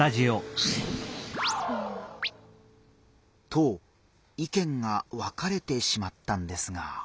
と意見が分かれてしまったんですが。